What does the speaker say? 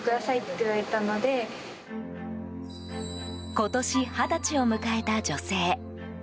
今年、二十歳を迎えた女性。